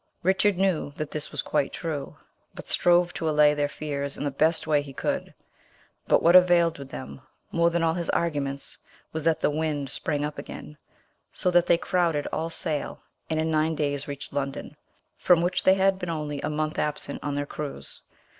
Richard knew that this was quite true, but strove to allay their fears in the best way he could. But what availed with them more than all his arguments, was that the wind sprang up again, so that they crowded all sail, and in nine days reached London, from which they had been only a month absent on their cruise.